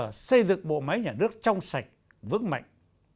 và xây dựng bộ máy nhà nước trong sạch vững mạnh